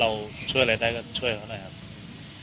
เราช่วยอะไรได้ก็ช่วยเขาหน่อยครับถามสุดท้ายถ้าเกิดวันนั้นเราไปช่วย